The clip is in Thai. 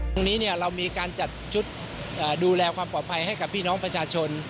ตรงนี้เรามีการจัดชุดดูแลความปลอดภัยให้กับพี่น้องประชาชน